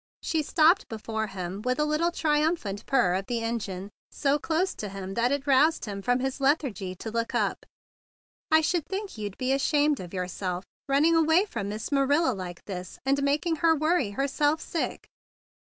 She stop¬ ped before him with a little triumphant purr of the engine, so close to him that it roused him from his lethargy to look up. "I should think you'd be ashamed of yourself, running away from Miss Ma¬ nila like this, and making her worry herself sick!"